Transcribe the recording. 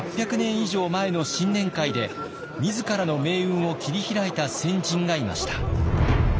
以上前の新年会で自らの命運を切り開いた先人がいました。